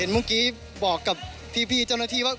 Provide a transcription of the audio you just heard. เมื่อกี้บอกกับพี่เจ้าหน้าที่ว่า